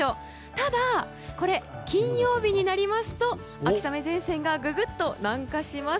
ただ、これ金曜日になりますと秋雨前線がググっと南下します。